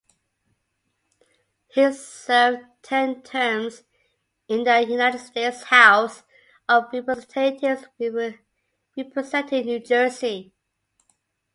He served ten terms in the United States House of Representatives representing New Jersey.